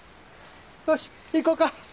よし行こうか。